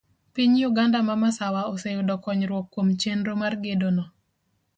Piny Uganda ma masawa oseyudo konyruok kuom chenro mar gedono.